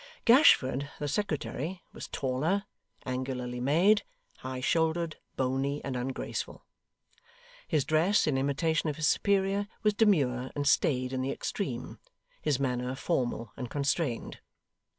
Gashford, the secretary, was taller, angularly made, high shouldered, bony, and ungraceful. His dress, in imitation of his superior, was demure and staid in the extreme; his manner, formal and constrained.